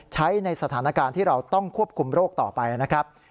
ใช้ในสถานการณ์ที่เราต้องควบคุมโรคต่อไปนะครับ